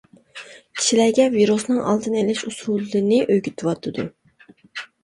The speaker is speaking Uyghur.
كىشىلەرگە ۋىرۇسنىڭ ئالدىنى ئېلىش ئۇسۇلىنى ئۆگىتىۋاتىدۇ.